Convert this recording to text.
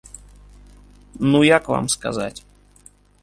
Ну, як вам сказаць?